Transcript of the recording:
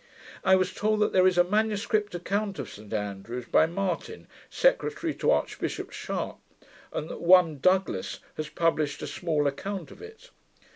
I was told that there is a manuscript account of St Andrews, by Martin, secretary to Archbishop Sharp; and that one Douglas has published a small account of it.